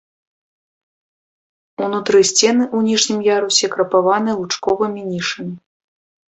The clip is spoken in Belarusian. Унутры сцены ў ніжнім ярусе крапаваны лучковымі нішамі.